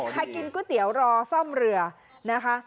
กินก๋วยเตี๋ยวรอซ่อมเรือนะคะ